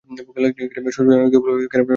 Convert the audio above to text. শরীর অনেক দূর্বল হয়ে পরে আর খাওয়ায় অরুচি আসে।